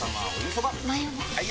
・はい！